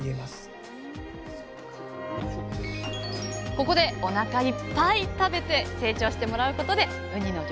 ここでおなかいっぱい食べて成長してもらうことでウニの漁獲量アップ！